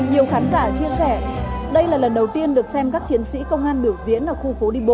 nhiều khán giả chia sẻ đây là lần đầu tiên được xem các chiến sĩ công an biểu diễn ở khu phố đi bộ